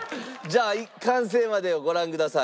じゃあ完成までをご覧ください。